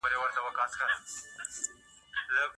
ارمان کاکا د خپلې امسا په زور تر باغ پورې ځان ورساوه.